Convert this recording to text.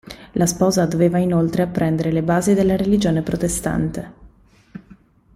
La sposa doveva inoltre apprendere le basi della religione protestante.